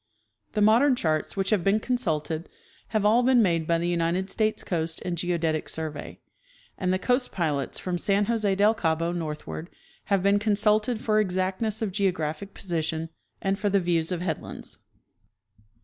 The modern charts which have been consulted have all been made by the United States Coast and Geodetic Survey, and the coast pilots from San Jose del Cabo northward have been con suited for exactness of geographic position and for the views of headlands.